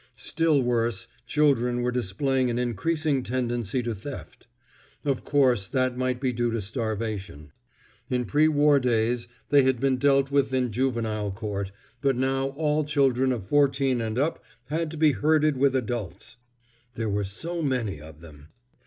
Still worse, children were displaying an increasing tendency to theft. Of course, that might be due to starvation. In pre war days they had been dealt with in juvenile court, but now all children of fourteen and up had to be herded with adults. There were so many of them.